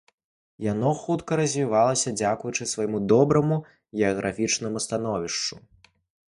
Яно хутка развівалася, дзякуючы свайму добраму геаграфічнаму становішчу.